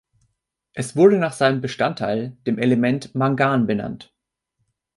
Es wurde nach seinem Bestandteil, dem Element Mangan benannt.